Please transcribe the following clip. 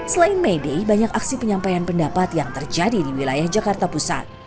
selain may day banyak aksi penyampaian pendapat yang terjadi di wilayah jakarta pusat